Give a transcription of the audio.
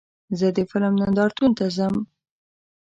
زه د فلم نندارتون ته ځم.